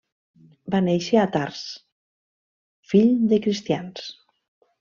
Va néixer a Tars, fill de cristians.